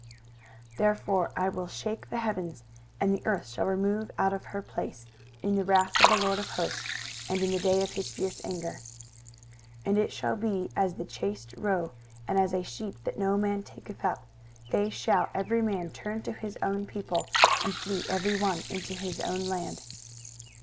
23:013:013 Therefore I will shake the heavens, and the earth shall remove out of her place, in the wrath of the LORD of hosts, and in the day of his fierce anger. 23:013:014 And it shall be as the chased roe, and as a sheep that no man taketh up: they shall every man turn to his own people, and flee every one into his own land.